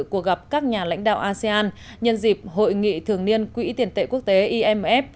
của gặp các nhà lãnh đạo asean nhân dịp hội nghị thường niên quỹ tiền tệ quốc tế imf